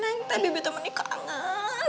nanti bibi temennya kangen